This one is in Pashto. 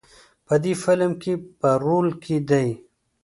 په دې فیلم کې په رول کې دی.